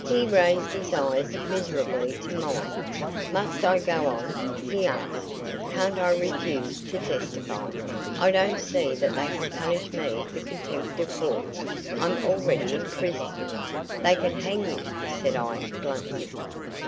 He raised his eyes miserably to mine. "Must I go on?" he asked. "Can't I refuse to testify I don't see that they can punish me for contempt of court; I'm already in prison." "They can hang you," said I, bluntly.